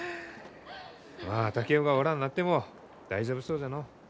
まあ竹雄がおらんなっても大丈夫そうじゃのう。